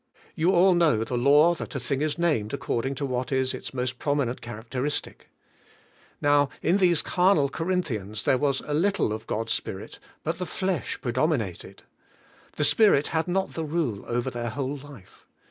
You all know the law that a thing is named according to what is its most prominent characteristic. Now, in these carnal Corinthians there was a little of God's Spirit, but the flesh predominated; the Spirit had not the rule of their whole life.